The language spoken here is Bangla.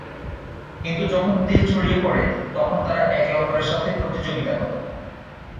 কিন্তু যখন তেল ছড়িয়ে পড়ে, তখন তারা একে অপরের সাথে প্রতিযোগিতা করে।